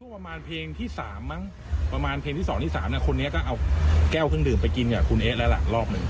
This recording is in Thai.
ช่วงประมาณเพลงที่สามมั้งประมาณเพลงที่สองที่สามเนี่ยคนนี้ก็เอาแก้วขึ้นดื่มไปกินกับคุณเอ๊ะละรอบนึง